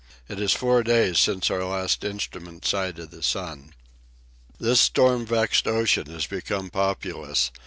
It is four days since our last instrument sight of the sun. This storm vexed ocean has become populous.